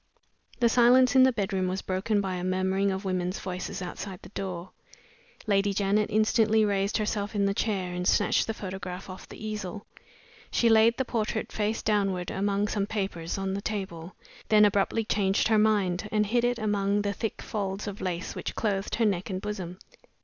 The silence in the bedroom was broken by a murmuring of women's voices outside the door. Lady Janet instantly raised herself in the chair and snatched the photograph off the easel. She laid the portrait face downward, among some papers on the table, then abruptly changed her mind, and hid it among the thick folds of lace which clothed her neck and bosom.